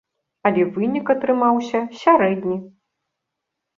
Але вынік атрымаўся сярэдні.